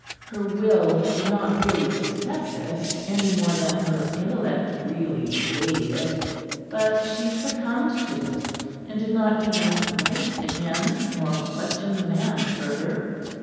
Her will did not really accept it, any more than her intellect really weighed it; but she succumbed to it; and did not even write again, nor question the man further.